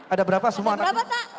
ada berapa semua anaknya